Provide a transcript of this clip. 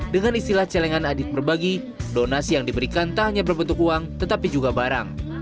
dengan istilah celengan adit berbagi donasi yang diberikan tak hanya berbentuk uang tetapi juga barang